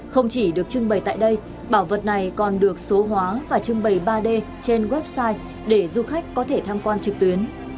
không chỉ được trưng bày tại đây bảo vật này còn được số hóa và trưng bày ba d trên website để du khách có thể tham quan trực tuyến